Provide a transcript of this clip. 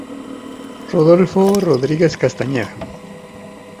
Rodolfo Rodríguez Castañeda.